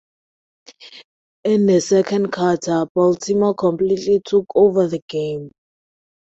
In the second quarter, Baltimore completely took over the game.